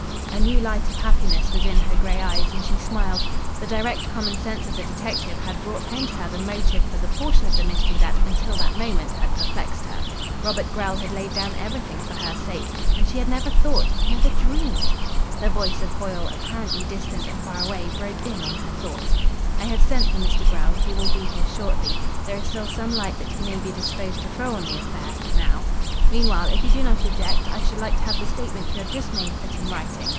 A new light of happiness was in her grey eyes, and she smiled. The direct common sense of the detective had brought home to her the motive for the portion of the mystery that until that moment had perplexed her. Robert Grell had laid down everything for her sake. And she had never thought never dreamed.... The voice of Foyle, apparently distant and far away, broke in on her thoughts. "I have sent for Mr. Grell. He will be here shortly. There is still some light that he may be disposed to throw on the affair now. Meanwhile, if you do not object, I should like to have the statement you have just made put in writing.